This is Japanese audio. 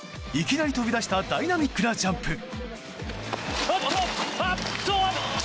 いきなり飛び出したダイナミックなジャンプ。